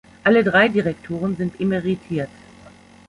Alle drei Direktoren sind emeritiert.